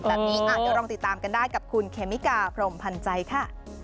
แบบนี้เดี๋ยวลองติดตามกันได้กับคุณเคมิกาพรมพันธ์ใจค่ะ